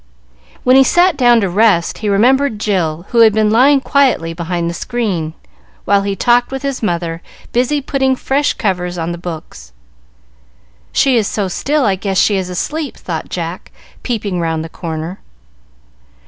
When he sat down to rest he remembered Jill, who had been lying quietly behind the screen, while he talked with his mother, busy putting fresh covers on the books. "She is so still, I guess she is asleep," thought Jack, peeping round the corner.